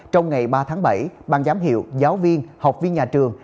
trong ngày ba tháng bảy ban giám hiệu giáo viên học viên nhà trường